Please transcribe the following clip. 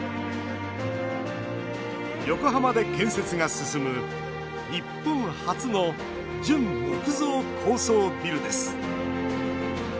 横浜で建設が進む日本初の純木造高層ビルです。